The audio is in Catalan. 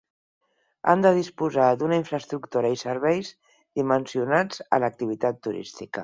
Han de disposar d'una infraestructura i serveis dimensionats a l'activitat turística.